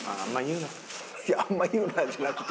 いや「あんま言うな」じゃなくて。